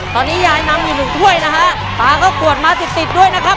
ตอนนี้ยายนำอยู่หนึ่งถ้วยนะฮะปลาก็กวดมาสิบสิบด้วยนะครับ